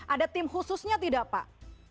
ada tim khususnya tidak pak